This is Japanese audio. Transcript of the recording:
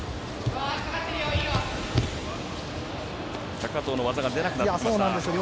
高藤の技が出なくなってきました。